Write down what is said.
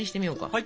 はい。